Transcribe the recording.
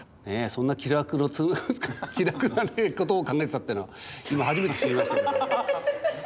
そんな気楽なことを考えてたってのは今初めて知りましたけど。